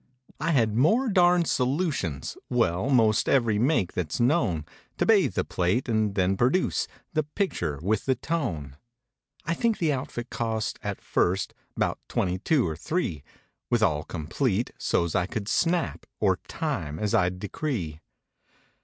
I had more darned solutions—well Most every make that's known, To bathe the plate and then produce The picture with the tone. I think the outfit cost, at first, 'Bout twenty two or three, With all complete, so's I could "snap," Or "time," as I'd decree.